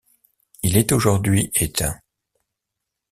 Il est aujourd'hui éteint.